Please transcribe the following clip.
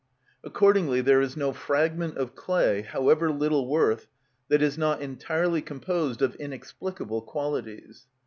Accordingly there is no fragment of clay, however little worth, that is not entirely composed of inexplicable qualities.